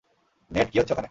Net, কী হচ্ছে ওখানে?